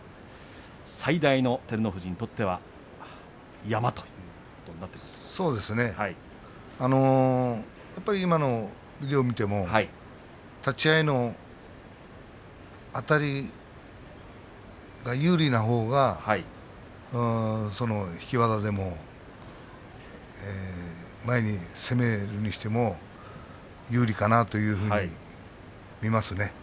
最大の、照ノ富士にとってはやっぱり今のビデオを見ても立ち合いのあたりが有利なほうが、引き技でも前に攻めるにしても有利かなと見ますね。